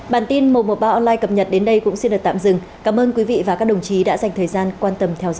bản tin một trăm một mươi ba online cập nhật đến đây cũng xin được tạm dừng cảm ơn quý vị và các đồng chí đã dành thời gian quan tâm theo dõi